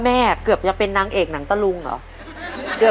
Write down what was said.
เกือบจะเป็นนางเอกหนังตะลุงเหรอ